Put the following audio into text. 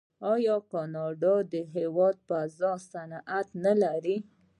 آیا کاناډا د هوا فضا صنعت نلري؟